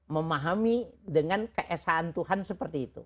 memahami dengan keesaan tuhan seperti itu